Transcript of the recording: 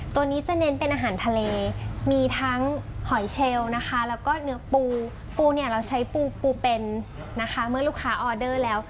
ตัวนี้จะเน้นเป็นอาหารทะเล